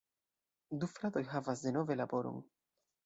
Du fratoj havas denove laboron.